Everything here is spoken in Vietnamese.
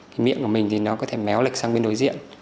cái miệng của mình thì nó có thể méo lịch sang bên đối diện